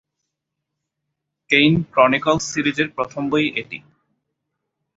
Kane Chronicles সিরিজের প্রথম বই এটি।